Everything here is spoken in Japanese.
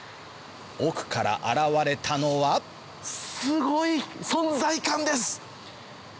奥から現れたのはすごい存在感です！